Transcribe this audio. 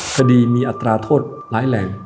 คดีมีอัตราโทษร้ายแรง